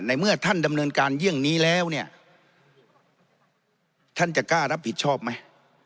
เมื่อท่านดำเนินการเยี่ยงนี้แล้วเนี่ยท่านจะกล้ารับผิดชอบไหม